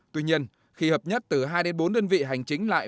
tuy nhiên khi hợp nhất từ hai đến bốn đơn vị hành chính lại